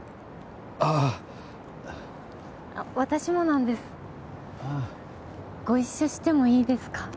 ああ私もなんですああご一緒してもいいですか？